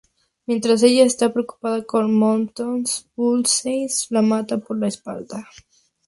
Mientras ella está preocupada con Moonstone, Bullseye la mata por la espalda.